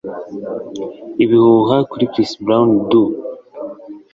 ibihuha kuri chris brown Do